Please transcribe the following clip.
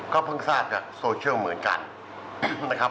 ก็เพิ่งทราบกับโซเชียลเหมือนกัน